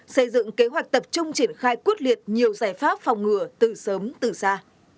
xây dựng kế hoạch tập trung triển khai quyết liệt nhiều giải pháp phòng ngừa từ sớm từ xa